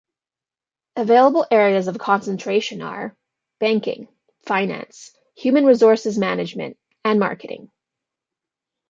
Available areas of concentration are: banking, finance, human resources management, and marketing.